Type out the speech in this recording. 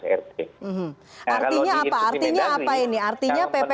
artinya apa artinya apa ini artinya pp